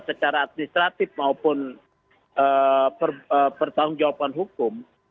secara administratif maupun pertanggung jawaban hukum